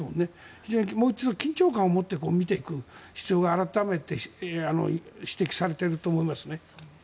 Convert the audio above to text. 非常に、もう一度緊張感を持って見ていく必要が改めて指摘されていると思いますね。